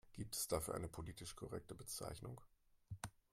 Gibt es dafür eine politisch korrekte Bezeichnung?